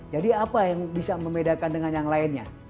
jadi apa yang bisa membedakan dengan yang lainnya